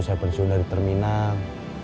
saya pensiun dari terminal